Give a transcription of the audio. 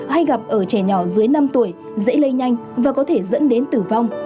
hay gặp ở trẻ nhỏ dưới năm tuổi dễ lây nhanh và có thể dẫn đến tử vong